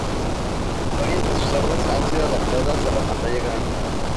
Varias de sus obras han sido adaptadas a la pantalla grande.